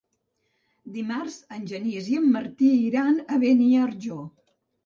Dimarts en Genís i en Martí iran a Beniarjó.